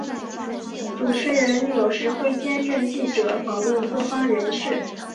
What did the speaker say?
主持人有时会兼任记者访问各方人士。